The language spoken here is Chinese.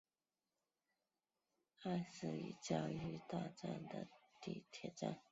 爱之里教育大站的铁路车站。